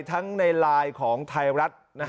ทั้งในไลน์ของไทยรัฐ